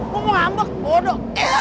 gue mau ngambek bodoh